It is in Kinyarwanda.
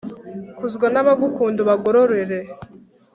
kuzwa n'abagukunda, ubagororere